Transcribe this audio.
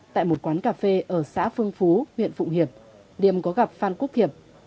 tại một quán cà phê ở xã phương phú huyện phụng hiệp điềm có gặp phan quốc thiệp